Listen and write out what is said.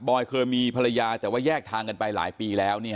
อยเคยมีภรรยาแต่ว่าแยกทางกันไปหลายปีแล้วเนี่ย